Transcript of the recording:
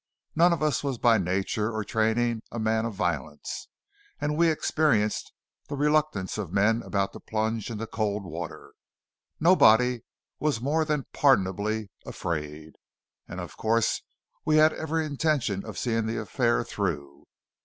None of us was by nature or training a man of violence, and we experienced the reluctance of men about to plunge into cold water. Nobody was more than pardonably afraid, and of course we had every intention of seeing the affair through.